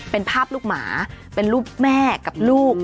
เป็นภาพลูกหมาเป็นรูปแม่กับลูก